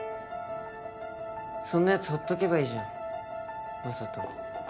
そんなヤツほっとけばいいじゃん雅人。